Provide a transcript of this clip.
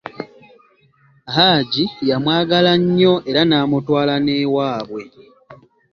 Hajji yamwagala nnyo era n'amutwala n'ewabwe.